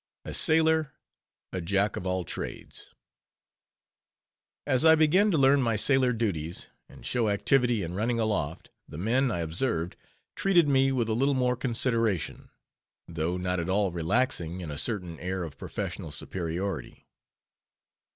A SAILOR A JACK OF ALL TRADES As I began to learn my sailor duties, and show activity in running aloft, the men, I observed, treated me with a little more consideration, though not at all relaxing in a certain air of professional superiority.